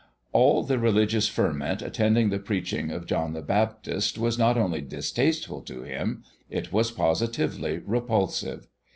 All the religious ferment attending the preaching of John the Baptist was not only distasteful to him it was positively repulsive.